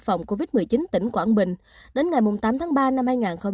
phòng covid một mươi chín tỉnh quảng bình đến ngày tám tháng ba năm hai nghìn hai mươi